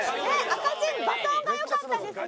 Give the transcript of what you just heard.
赤チームバトンが良かったですね。